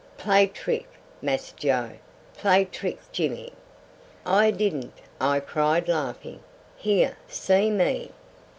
Play trick, Mass Joe. Play trick, Jimmy." "I didn't," I cried, laughing. "Here; see me."